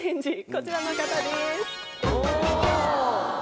こちらの方です。